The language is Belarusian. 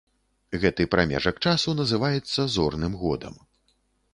Гэты прамежак часу называецца зорным годам.